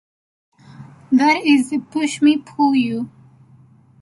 That is the pushmi-pullyu.